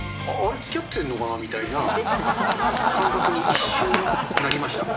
つきあってるのかなみたいな、感覚に一瞬なりました。